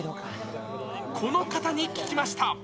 この方に聞きました。